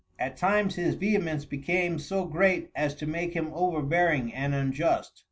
"At times his vehemence became so great as to make him overbearing and unjust.